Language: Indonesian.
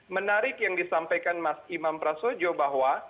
menarik yang disampaikan mas imam prasojo bahwa